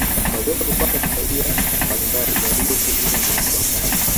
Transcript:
waliweza kupata masalia mbalimbali yaliyotumiwa na watu wa kale